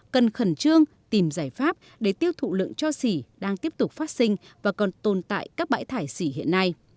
cần khẩn trương tìm giải pháp để tiêu thụ lượng cho xỉ đang tiếp tục phát sinh và còn tồn tại các bãi thải xỉ hiện nay